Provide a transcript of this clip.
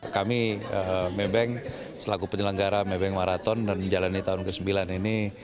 kami maybank selaku penyelenggara maybank marathon dan menjalani tahun ke sembilan ini